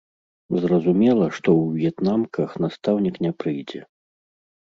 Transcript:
Зразумела, што ў в'етнамках настаўнік не прыйдзе.